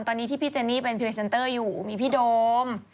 ตอนนี้ที่พี่เจนนี่เป็นพรีเซนเตอร์อยู่มีพี่โดม